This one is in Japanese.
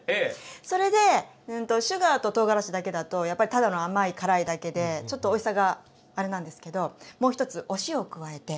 それでシュガーととうがらしだけだとやっぱりただの甘い辛いだけでちょっとおいしさがあれなんですけどもう一つお塩を加えて。